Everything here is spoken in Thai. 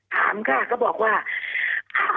ถามค่ะก็บอกว่า